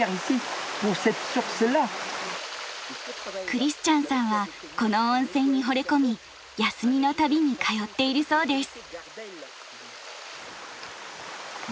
クリスチャンさんはこの温泉にほれ込み休みの度に通っているそうです。